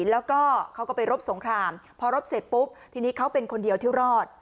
แล้วก็เขาก็ไปรบสงครามพอรบเสร็จปุ๊บทีนี้เขาเป็นคนเดียวที่รอด